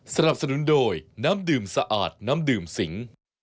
สนับสนุนโดยน้ำดื่มสะอาดน้ำดื่มสิง